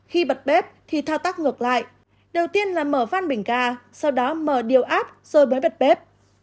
khi bật bếp thì thao tác ngược lại đầu tiên là mở van bình ga sau đó mở điều áp rồi bới bật bếp